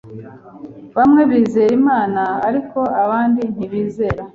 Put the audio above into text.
Bamwe bizera Imana, ariko abandi ntibizera.